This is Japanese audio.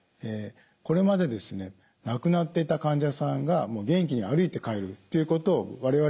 これまでですね亡くなっていた患者さんがもう元気に歩いて帰るということを我々もよく経験いたします。